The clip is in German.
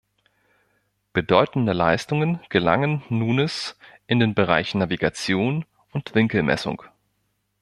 Bedeutende Leistungen gelangen Nunes in den Bereichen Navigation und Winkelmessung.